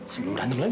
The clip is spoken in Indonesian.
sebelum berantem lagi